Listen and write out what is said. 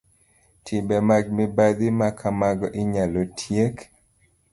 Timbe mag mibadhi ma kamago inyalo tiek